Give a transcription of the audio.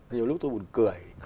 nhiều lúc tôi buồn cười